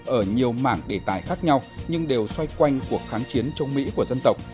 ở nhiều mảng đề tài khác nhau nhưng đều xoay quanh cuộc kháng chiến chống mỹ của dân tộc